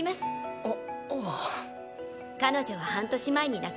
あっ！